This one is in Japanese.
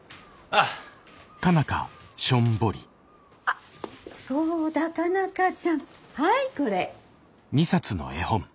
あっそうだ佳奈花ちゃんはいこれ。